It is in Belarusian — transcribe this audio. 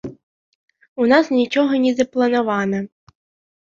У нас нічога не запланавана.